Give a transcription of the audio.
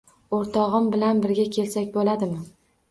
O'rtog'im bilan birga kelsak bo'ladimi?